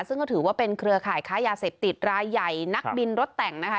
ซึ่งก็ถือว่าเป็นเครือข่ายค้ายาเสพติดรายใหญ่นักบินรถแต่งนะคะ